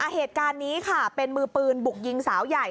เหตุการณ์นี้ค่ะเป็นมือปืนบุกยิงสาวใหญ่